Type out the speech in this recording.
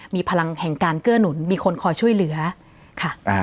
มีพลังแห่งการเกื้อหนุนมีคนคอยช่วยเหลือค่ะ